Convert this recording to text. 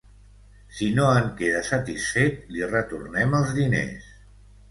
Si no en queda satisfet li retornem els diners.